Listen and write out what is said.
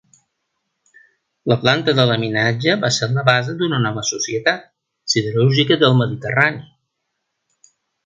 La planta de laminatge va ser la base d'una nova societat, Siderúrgica del Mediterrani.